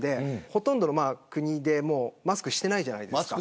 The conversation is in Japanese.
ほとんど国でマスクしていないじゃないですか。